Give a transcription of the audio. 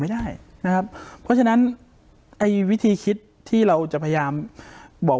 ไม่ได้นะครับเพราะฉะนั้นไอ้วิธีคิดที่เราจะพยายามบอก